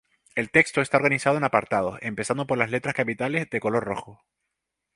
El texto está organizado en apartados, empezando por las letras capitales de color rojo.